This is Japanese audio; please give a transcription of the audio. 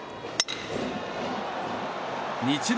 日大